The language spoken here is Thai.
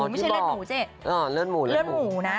ไม่ใช่เลือดหมูเจ๊เลือดหมูนะ